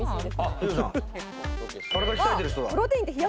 体鍛えてる人だ。